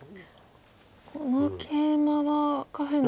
このケイマは下辺の。